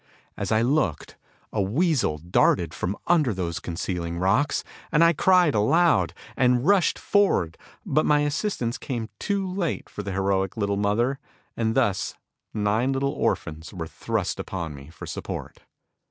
As I looked a weasel darted from under those concealing rocks. I cried aloud, and rushed forward but my assistance came too late for the heroic little mother; and thus nine little orphans were thrust upon me for support.